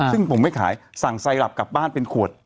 ซึ่งผมไม่ขายสั่งไซรับกลับบ้านเป็นขวด